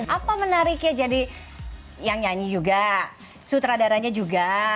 apa menariknya jadi yang nyanyi juga sutradaranya juga